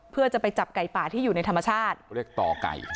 เพื่อจะไปจับไก่ป่าที่อยู่ในธรรมชาติเขาเรียกต่อไก่